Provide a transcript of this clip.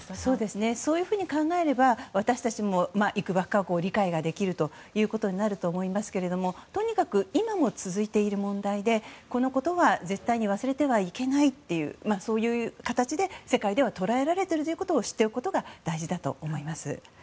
そういうふうに考えれば私たちも理解ができるということになると思いますがとにかく今も続いている問題でこのことは絶対に忘れてはいけないというそういう形で世界では捉えられているということを知っておくことが大事だと思います。